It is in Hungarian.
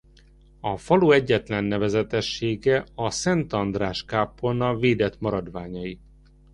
A falu egyetlen nevezetessége a Szent András kápolna védett maradványai.